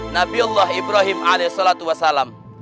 nabi allah ibrahim alayhi salatu wasalam